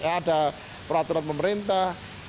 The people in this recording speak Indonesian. ada peraturan pemerintah